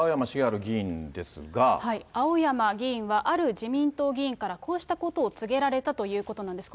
青山議員は、ある自民党議員から、こうしたことを告げられたということなんです。